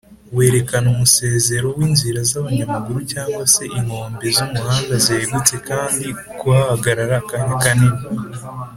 werekana umusezero w’inzira z’abanyamaguru cg se inkombe z’umuhanda zegutse kandi kuhagarara akanya kanini